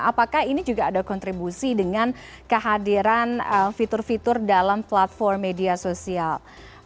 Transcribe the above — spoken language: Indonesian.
apakah ini juga ada kontribusi dengan kehadiran fitur fitur dalam platform media sosial